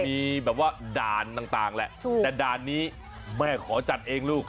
มีแบบว่าด่านต่างแหละแต่ด่านนี้แม่ขอจัดเองลูก